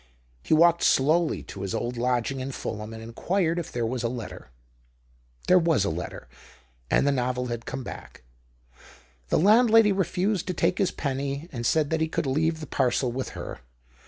He walked slowly to his old lodging in Fulham, and inquired if there was a letter. There was a letter, and the novel had come back again. The landlady refused to take his penny, and said that he could leave the parcel with her.